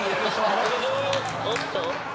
おっと？